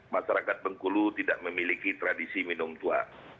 masyarakat bengkulu tidak memiliki tradisi minum tua